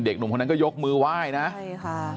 เด็กหนุ่มคนนั้นก็ยกมือไหว้นะฮะ